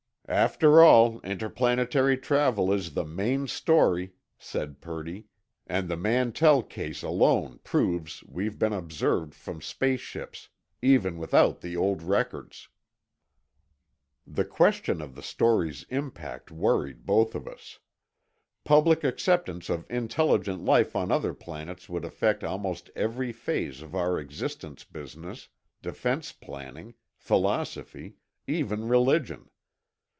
"After all, interplanetary travel is the main story," said Purdy. "And the Mantell case alone proves we've been observed from space ships, even without the old records." The question of the story's impact worried both of us. public acceptance of intelligent life on other planets would affect almost every phase of our existence business, defense planning, philosophy, even religion.